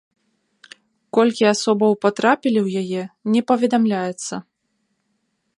Колькі асобаў патрапілі ў яе, не паведамляецца.